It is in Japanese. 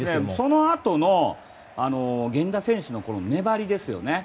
そのあとの源田選手の粘りですよね。